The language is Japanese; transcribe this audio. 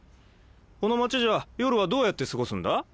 この町じゃ夜はどうやって過ごすんだ？